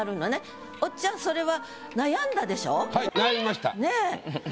おっちゃんそれは悩んだでしょ？